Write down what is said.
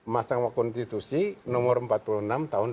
masalah mahkamah konstitusi nomor empat puluh enam tahun dua ribu lima belas